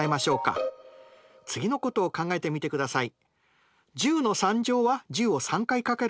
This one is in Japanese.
次のことを考えてみてください。